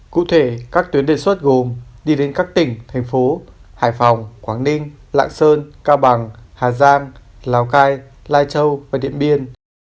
cụ thể các tuyến đề xuất gồm đi đến các tỉnh thành phố hải phòng quảng ninh lạng sơn cao bằng hà giang lào cai lai châu và điện biên